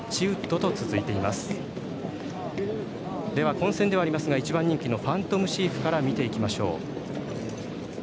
混戦ではありますが１番人気のファントムシーフから見ていきましょう。